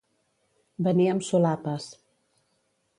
Venir amb solapes.